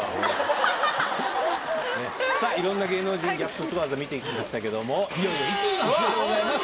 いろんな芸能人ギャップすご技見てきましたけどもいよいよ１位の発表でございます